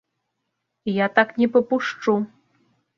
Я так не папушчу!